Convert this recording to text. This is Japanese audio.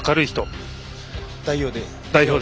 代表で。